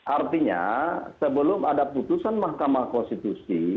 artinya sebelum ada putusan mahkamah konstitusi